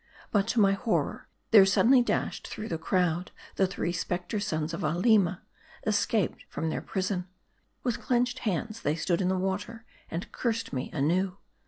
But to my horror, there suddenly dashed through the crowd, the three specter sons of Aleema, escaped from their prison. With clenched hands, they stood in the water, and cursed me anew.